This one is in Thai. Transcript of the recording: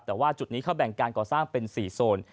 แต่ว่าจุดนี้เขาแบ่งการก่อสร้างเป็น๔โซน